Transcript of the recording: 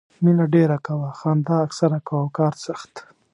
مینه ډېره کوه، خندا اکثر کوه او کار سخت.